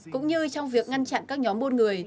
cũng như trong việc ngăn chặn các nhóm buôn người